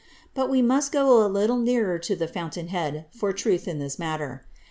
But we roust go a little nearer to the fountain head for truth in this matter.